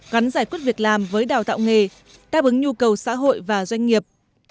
gắn giải quyết việc làm với đào tạo nghề đáp ứng nhu cầu xã hội và doanh nghiệp